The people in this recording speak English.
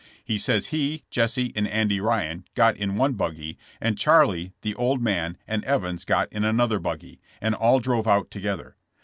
He says he, Jesse and Andy Ryan got in one buggy and Charlie, the 'old man' and Evans got in another buggy, and all drove out together.